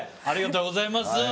ありがとうございます。